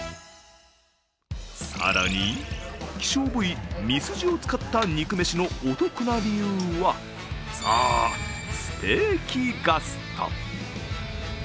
更に、希少部位みすじを使った肉飯のお得な理由はそう、ステーキガスト。